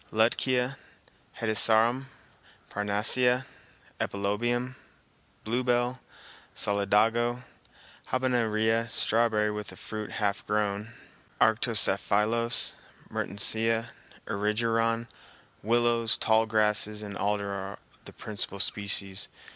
Lutkea, hedysarum, parnassia, epilobium, bluebell, solidago, habenaria, strawberry with fruit half grown, arctostaphylos, mertensia, erigeron, willows, tall grasses and alder are the principal species.